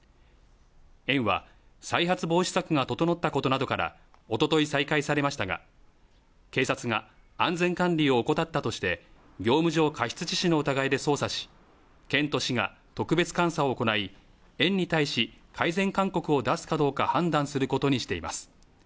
園は、再発防止策が整ったことなどから、おととい再開されましたが、警察が安全管理を怠ったとして、業務上過失致死の疑いで捜査し、県と市が特別監査を行い、園に対し、改善勧告を出すかどうか判断することにしています。